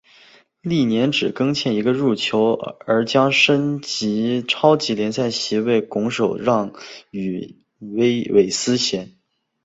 翌年更只欠一个入球而将升级超级联赛席位拱手让予韦斯咸。